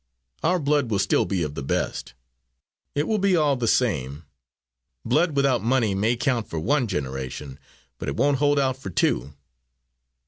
Our blood will still be of the best." "It will be all the same. Blood without money may count for one generation, but it won't hold out for two."